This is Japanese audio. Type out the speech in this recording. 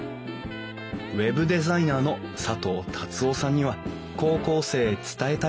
ウェブデザイナーの佐藤達夫さんには高校生へ伝えたいことがありました